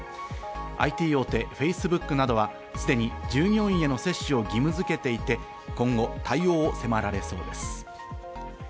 ＩＴ大手Ｆａｃｅｂｏｏｋなどはすでに従業員への接種を義務づけていて、今後対応を迫られそうです。